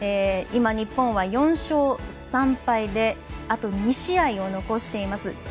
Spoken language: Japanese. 今、日本は４勝３敗であと２試合を残しています。